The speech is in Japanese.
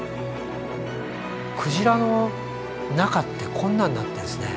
クジラの中ってこんなんなってるんですね。